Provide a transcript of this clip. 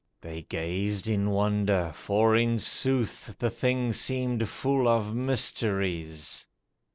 They gazed in wonder, for in sooth The thing seemed full of mysteries.